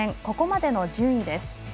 ここまでの順位です。